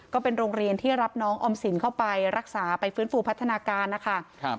ก็เป็นโรงเรียนที่รับน้องออมสินเข้าไปรักษาไปฟื้นฟูพัฒนาการนะคะ